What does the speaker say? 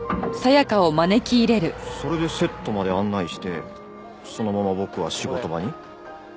それでセットまで案内してそのまま僕は仕事場に。